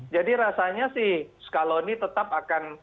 jadi rasanya sih skaloni tetap akan